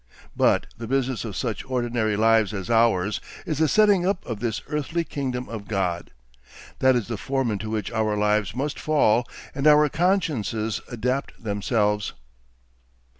... But the business of such ordinary lives as ours is the setting up of this earthly kingdom of God. That is the form into which our lives must fall and our consciences adapt themselves.